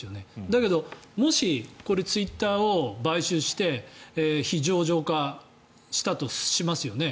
だけどもしツイッターを買収して非上場化したとしますよね。